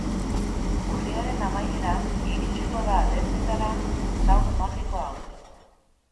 Urriaren amaieran iritsiko da dendetara sagu magiko hau.